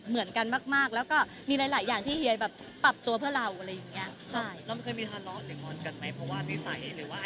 เหมือนกันมากแล้วก็มีหลายอย่างที่เฮียแบบปรับตัวเพื่อเราอะไรอย่างเงี้ย